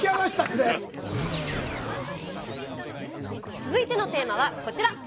続いてのテーマはこちら。